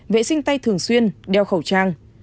vệ sinh tay thường xuyên đeo khẩu trang